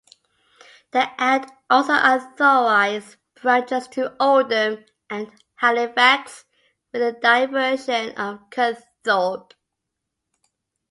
The Act also authorised branches to Oldham and Halifax with a diversion at Kirkthorpe.